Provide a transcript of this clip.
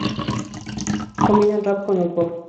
Combina el rap con el pop.